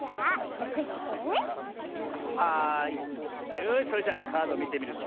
よしそれじゃカードみてみるぞ。